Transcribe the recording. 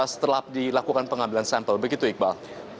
setelah dilakukan pengambilan sampel begitu iqbal